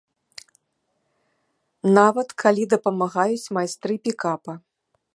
Нават калі дапамагаюць майстры пікапа.